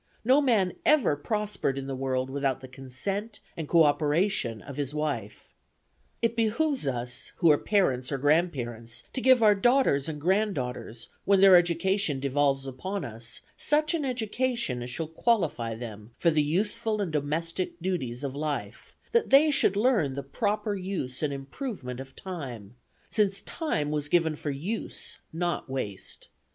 No man ever prospered in the world without the consent and coöperation of his wife. It behoves us, who are parents or grandparents, to give our daughters and granddaughters, when their education devolves upon us, such an education as shall qualify them for the useful and domestic duties of life, that they should learn the proper use and improvement of time, since 'time was given for use, not waste.'